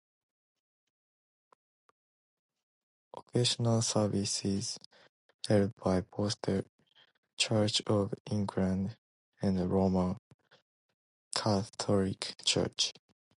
Occasional services held by both the Church of England and Roman Catholic Church.